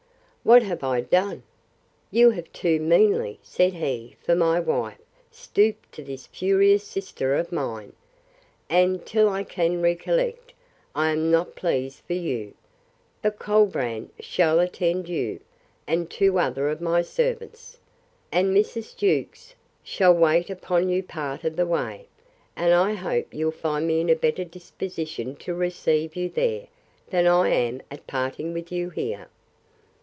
—What have I done? You have too meanly, said he, for my wife, stooped to this furious sister of mine; and, till I can recollect, I am not pleased with you: But Colbrand shall attend you, and two other of my servants; and Mrs. Jewkes shall wait upon you part of the way: And I hope you'll find me in a better disposition to receive you there, than I am at parting with you here.